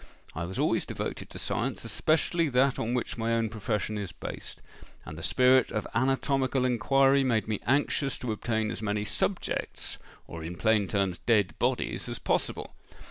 I was always devoted to science, especially that on which my own profession is based; and the spirit of anatomical inquiry made me anxious to obtain as many subjects—or in plain terms, dead bodies—as possible.